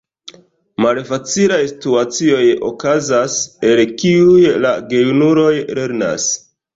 Malfacilaj situacioj okazas, el kiuj la gejunuloj lernas.